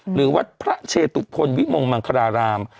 หรือวัดพระเชตุพลวิมงต์มังคาราหลาม